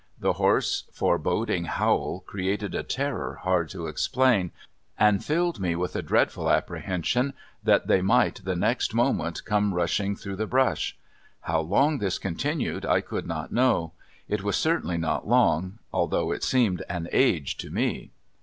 The hoarse, foreboding howl created a terror hard to explain, and filled me with a dreadful apprehension that they might the next moment come rushing through the brush. How long this continued I could not know. It was certainly not long, although it seemed an age to me.